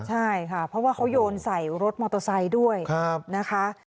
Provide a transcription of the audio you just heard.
ใช่ค่ะเพราะว่าเขาโยนใส่รถมอเตอร์ไซค์ด้วยนะคะ